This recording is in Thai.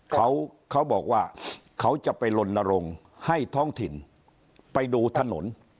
เขาเขาบอกว่าเขาจะไปลนรงค์ให้ท้องถิ่นไปดูถนน